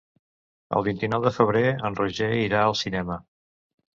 El vint-i-nou de febrer en Roger irà al cinema.